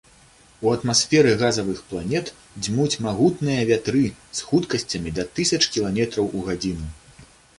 У атмасферы газавых планет дзьмуць магутныя вятры з хуткасцямі да тысяч кіламетраў у гадзіну.